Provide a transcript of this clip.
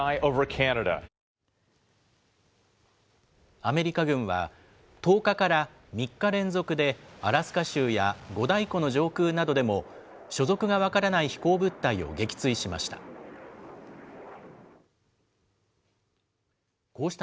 アメリカ軍は、１０日から３日連続で、アラスカ州や五大湖の上空などでも、所属が分からない飛行物体を撃墜しました。